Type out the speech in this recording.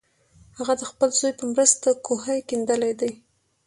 هغه د خپل زوی په مرسته کوهی کیندلی دی.